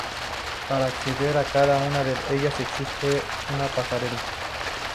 Para acceder a cada una de ellas existe una pasarela.